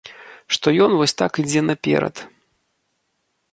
Што ён вось так ідзе наперад.